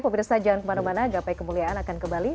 pemirsa jangan kemana mana gapai kemuliaan akan kembali